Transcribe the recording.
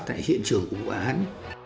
tại hiện trường của quán